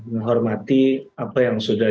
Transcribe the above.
menghormati apa yang sudah